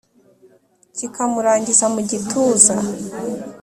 kikamurangiza mu gituza,